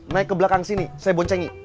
naik ke belakang sini saya boncengi